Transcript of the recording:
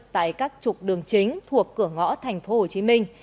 tại các trục đường chính thuộc cửa ngõ thành phố hồ chí minh